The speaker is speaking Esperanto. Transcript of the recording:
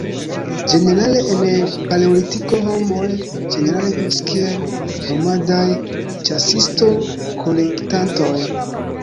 Ĝenerale en Paleolitiko, homoj ĝenerale vivis kiel nomadaj ĉasisto-kolektantoj.